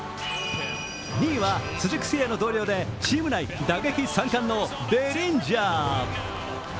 ２位は鈴木誠也の同僚でチーム内打撃３冠のベリンジャー。